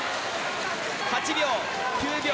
８秒９秒